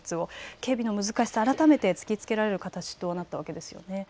警備の難しさ、改めて突きつけられる形となったわけですね。